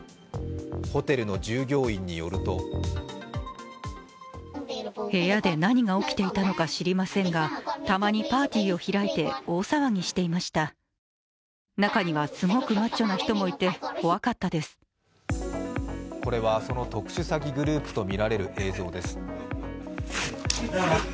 ホテルの従業員によるとこれは、その特殊詐欺グループとみられる映像です。